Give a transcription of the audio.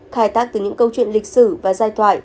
khai tác từ những câu chuyện lịch sử và giai thoại